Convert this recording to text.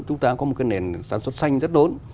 chúng ta có một cái nền sản xuất xanh rất lớn